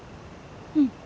うん。